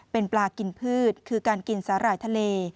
เป็นปลากินพืชคือการกินสาหร่ายทะเล